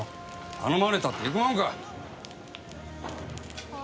頼まれたって行くもんか！